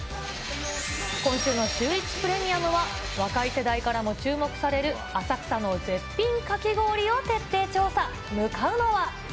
今週のシューイチプレミアムは、若い世代からも注目される浅草の絶品かき氷を徹底調査。